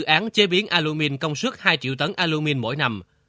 dự án chế biến alumin công suất hai triệu tấn alumin mỗi năm